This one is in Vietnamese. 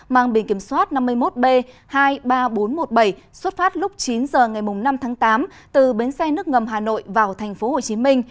mang bình kiểm soát năm mươi một b hai mươi ba nghìn bốn trăm một mươi bảy xuất phát lúc chín h ngày năm tháng tám từ bến xe nước ngầm hà nội vào tp hcm